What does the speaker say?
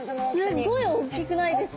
すっごいおっきくないですか！？